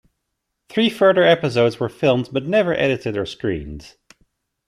Three further episodes were filmed but never edited or screened.